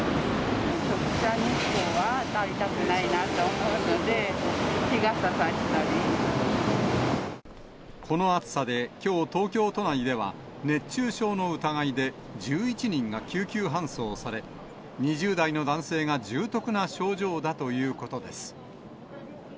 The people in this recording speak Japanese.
直射日光は当たりたくないと思うので、この暑さで、きょう、東京都内では熱中症の疑いで、１１人が救急搬送され、２０代の男性が重篤な症状だということです。